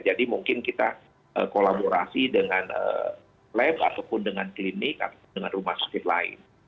mungkin kita kolaborasi dengan lab ataupun dengan klinik ataupun dengan rumah sakit lain